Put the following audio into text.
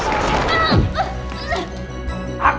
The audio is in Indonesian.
aku tidak akan segar segar